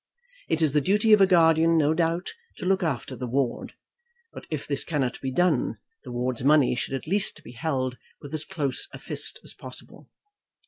It is the duty of a guardian, no doubt, to look after the ward; but if this cannot be done, the ward's money should at least be held with as close a fist as possible.